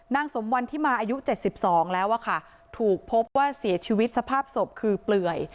สมวันที่มาอายุ๗๒แล้วอะค่ะถูกพบว่าเสียชีวิตสภาพศพคือเปลื่อย